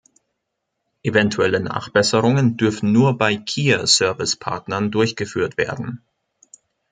Eventuelle Nachbesserungen dürfen nur bei Kia-Servicepartnern durchgeführt werden.